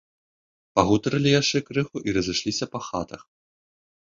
Пагутарылі яшчэ крыху і разышліся па хатах.